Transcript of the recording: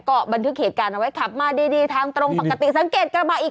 ก็บันทึกเหตุการณ์เอาไว้ขับมาดีทางตรงปกติสังเกตกระบะอีก